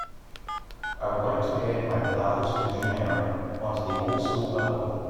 I would like to add to my plalist, Visjoner onto the old school metal one